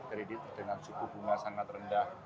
kredit dengan suku bunga sangat rendah